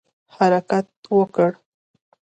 حرکت وکړ.